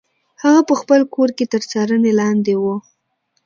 هغه په خپل کور کې تر څارنې لاندې و.